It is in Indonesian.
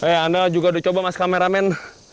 ya udah juga udah coba mas kameramen